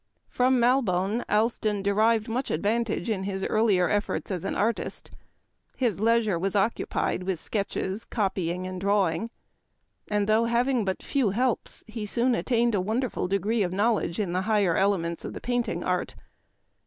From Mal bone Allston derived much advantage in his earlier efforts as an artist. His leisure was occupied with sketches, copying, and drawing ; and. though having but few helps, he soon at tained a wonderful degree of knowledge in the higher elements of the painting art.